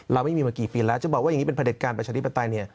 เราไม่มีมากี่ปีแล้วจะบอกว่าอย่างนี้เป็นประเด็จการประชาธิปไตยเนี่ย